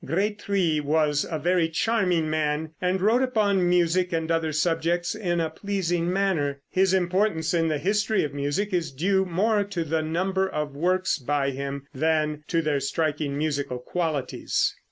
Grétry was a very charming man, and wrote upon music and other subjects in a pleasing manner. His importance in the history of music is due more to the number of works by him, than to their striking musical qualities.